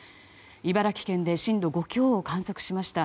茨城県で震度５強を観測しました。